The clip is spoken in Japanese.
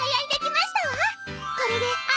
これであ